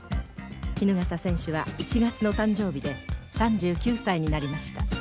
衣笠選手は１月の誕生日で３９歳になりました。